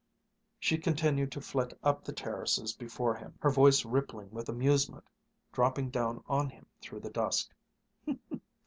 She continued to flit up the terraces before him, her voice rippling with amusement dropping down on him through the dusk.